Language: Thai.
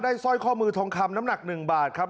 สร้อยข้อมือทองคำน้ำหนัก๑บาทครับ